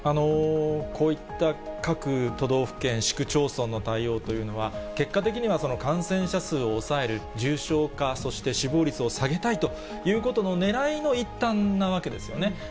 こういった各都道府県、市区町村の対応というのは、結果的には感染者数を抑える、重症化、そして死亡率を下げたいということのねらいの一環なわけですよね。